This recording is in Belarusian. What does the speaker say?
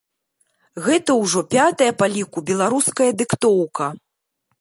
Гэта ўжо пятая па ліку беларуская дыктоўка.